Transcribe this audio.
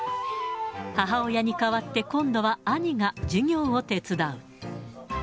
母親に代わって、今度は兄が授業を手伝う。